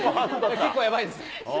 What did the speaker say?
結構やばいです。